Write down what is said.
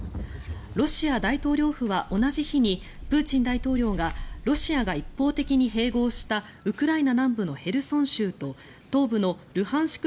ロシア大統領府は同じ日にプーチン大統領がロシアが一方的に併合したウクライナ南部のヘルソン州と東部のルハンシク